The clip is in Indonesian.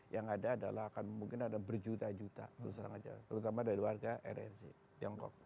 yang ada adalah akan mungkin ada berjuta juta terutama dari warga rsi tiongkok